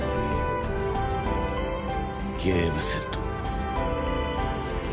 ゲームセット。